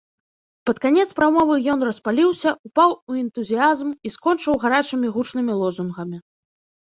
Пад канец прамовы ён распаліўся, упаў у энтузіязм і скончыў гарачымі гучнымі лозунгамі.